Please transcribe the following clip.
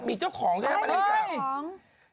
มีเจ้าของด้วยนะมะแรงสาป